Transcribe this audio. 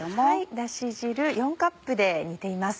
だし汁４カップで煮ています。